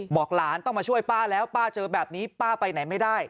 บอกหลานต้องมาช่วยป้าแล้วป้าเจอแบบนี้ป้าไปไหนไม่ได้